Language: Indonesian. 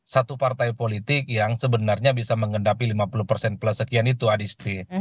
satu partai politik yang sebenarnya bisa mengendapi lima puluh persen plus sekian itu adistri